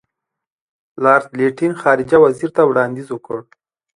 لارډ لیټن خارجه وزیر ته وړاندیز وکړ.